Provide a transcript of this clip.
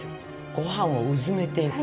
ごはんをうずめていく。